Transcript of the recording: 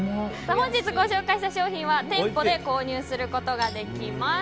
本日ご紹介した商品は店舗で購入することができます。